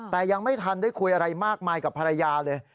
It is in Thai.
แต่ยังไม่ทันได้คุยอะไรมากมายกับภรรยาเลย